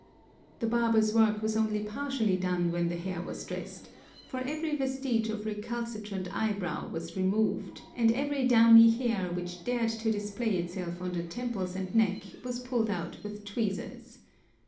[Picture: A Lady's Mirror] The barber's work was only partially done when the hair was dressed, for every vestige of recalcitrant eyebrow was removed, and every downy hair which dared to display itself on the temples and neck was pulled out with tweezers.